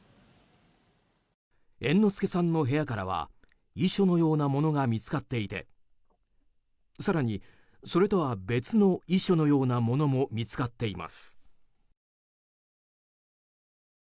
猿之助さんの部屋からは遺書のようなものが見つかっていて更に、それとは別の遺書のようなものも見つかっています。